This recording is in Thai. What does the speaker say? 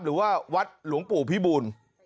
หรือว่าวัดหลวงปู่พิบูล